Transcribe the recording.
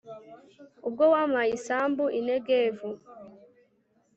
ubwo wampaye isambu i negevu